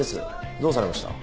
どうされました？